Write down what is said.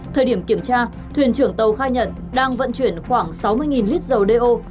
thời điểm kiểm tra thuyền trưởng tàu khai nhận đang vận chuyển khoảng sáu mươi lít dầu đeo